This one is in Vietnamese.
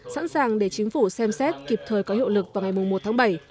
sẵn sàng để chính phủ xem xét kịp thời có hiệu lực vào ngày một tháng bảy